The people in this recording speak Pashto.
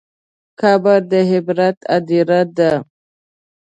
قبر د عبرت هدیره ده.